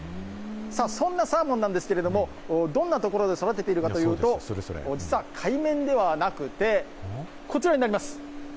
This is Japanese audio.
さあ、そんなサーモンなんですけれども、どんな所で育てているかというと、実は海面ではなくて、こちらになります。